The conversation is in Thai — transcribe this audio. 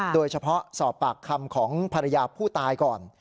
โดยเฉพาะสอบปากคำของภรรยาผู้ตายก่อน